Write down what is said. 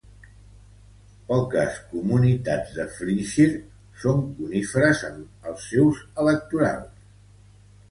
Poques comunitats de Flintshire són coníferes amb els seus electorals.